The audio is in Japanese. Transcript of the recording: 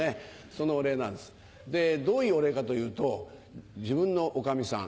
そのお礼なんですどういうお礼かというと自分のおかみさん